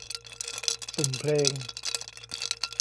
สุ่มเพลง